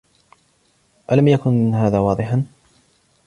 الم یکن هذا واضحا؟